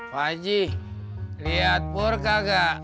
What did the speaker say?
pak haji lihat burka gak